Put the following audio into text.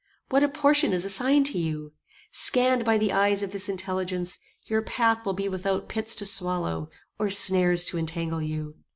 What a portion is assigned to you? Scanned by the eyes of this intelligence, your path will be without pits to swallow, or snares to entangle you.